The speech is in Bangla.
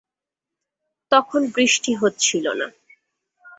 তখন বৃষ্টি হচ্ছিল না।